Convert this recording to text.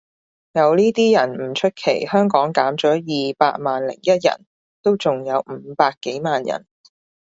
有呢啲人唔出奇，香港減咗二百萬零一人都仲有五百幾萬人